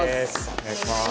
お願いします。